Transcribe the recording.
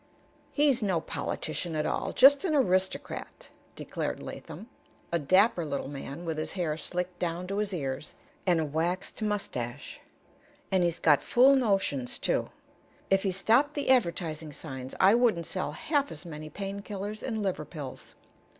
"He's no politician at all just an aristocrat," declared Latham, a dapper little man with his hair slicked down to his ears and a waxed moustache. "And he's got fool notions, too. If he stopped the advertising signs I wouldn't sell half as many pain killers and liver pills."